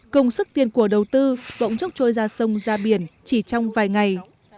công sức tiền của đầu tư bỗng chốc trôi ra sông ra biển chỉ trong vài ngày